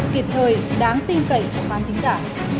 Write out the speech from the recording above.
kịp thời đáng tin cậy của bản tin giả